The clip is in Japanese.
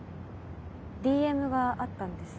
ＤＭがあったんです。